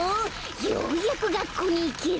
ようやくがっこうにいける！